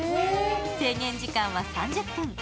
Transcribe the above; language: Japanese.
制限時間は３０分。